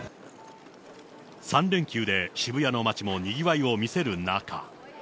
３連休で渋谷の街も賑わいを見せる中。